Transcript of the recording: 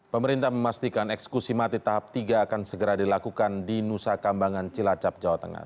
pemerintah memastikan eksekusi mati tahap tiga akan segera dilakukan di nusa kambangan cilacap jawa tengah